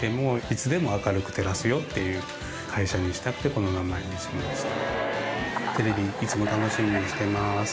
この名前にしました。